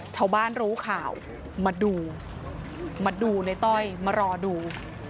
ชาวบ้านรู้ข่าวมาดูมาดูในต้อยมารอดู